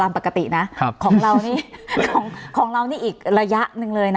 มาแล้วครับ